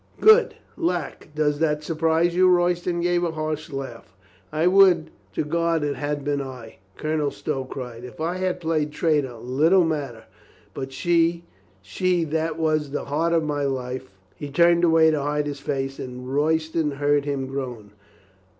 "Good lack, does that surprise you?" Royston gave a harsh laugh. "I would to God it had been I !" Colonel Stow cried. "If I had played traitor, little matter. But she, she that was the heart of my life " He turned away to hide his face and Royston heard him groan.